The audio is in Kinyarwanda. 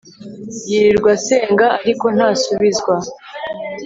Yirirwa asenga ariko ntasubizwa